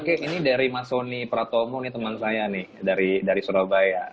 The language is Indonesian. oke ini dari mas soni pratomo nih teman saya nih dari surabaya